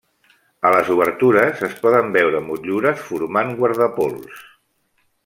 A les obertures es poden veure motllures formant guardapols.